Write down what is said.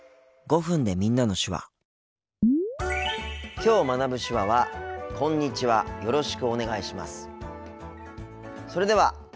きょう学ぶ手話はそれでは。